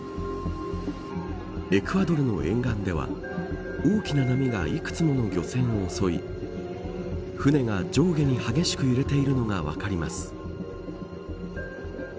エクアドルの沿岸では大きな波が幾つもの漁船を襲い船が上下に激しく揺れているのが分かります。